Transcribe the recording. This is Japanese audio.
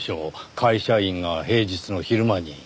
会社員が平日の昼間に。